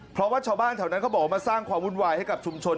เพราะว่าชาวบ้านแถวนั้นเขาบอกว่ามาสร้างความวุ่นวายให้กับชุมชน